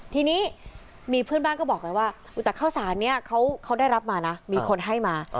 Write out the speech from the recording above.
ทีนี้มีเพื่อนบ้านก็บอกไงว่าแต่ข้าวสารนี้เขาได้รับมานะมีคนให้มา